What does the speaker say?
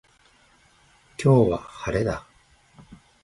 今日は晴れだ。